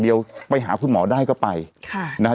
เราก็มีความหวังอะ